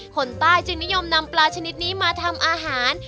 คนใต้จึงนิยมนำปลาชนิดนี้มาทำอาหาร